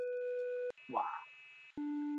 หว่า